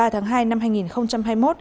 ba tháng hai năm hai nghìn hai mươi một